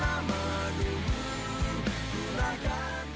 selalu tanpa pernah menunggu